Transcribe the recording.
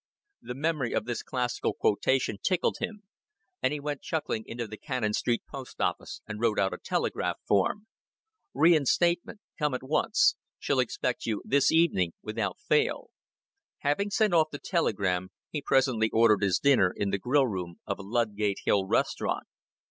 The memory of this classical quotation tickled him, and he went chuckling into the Cannon Street post office and wrote out a telegraph form. "Reinstatement. Come at once. Shall expect you this evening without fail." Having sent off the telegram, he presently ordered his dinner in the grill room of a Ludgate Hill restaurant.